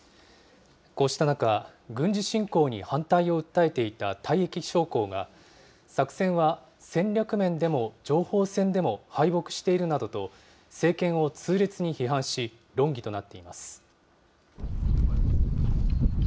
こうした中、軍事侵攻に反対を訴えていた退役将校が、作戦は戦略面でも情報戦でも敗北しているなどと、政権を痛烈に批判し、論議となっています。